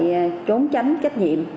lại trốn tránh trách nhiệm